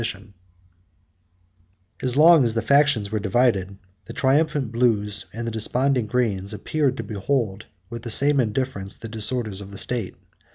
] As long as the factions were divided, the triumphant blues, and desponding greens, appeared to behold with the same indifference the disorders of the state.